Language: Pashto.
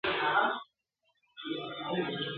د روغتیا پوهاوی د مور په واسطه کورنۍ ته لېږدول کیږي.